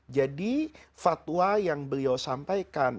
jadi fatwa yang beliau sampaikan